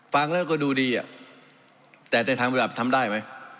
ฟังแล้วก็ดูดีอ่ะแต่ในทางประดับทำได้ไหม